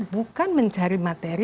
bukan mencari materi